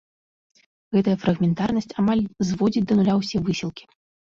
Гэтая фрагментарнасць амаль зводзіць да нуля ўсе высілкі.